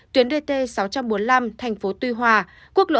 tuyến dt sáu trăm bốn mươi năm thành phố tuy hòa quốc lộ hai mươi chín